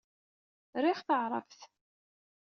Riɣ taɛṛabt.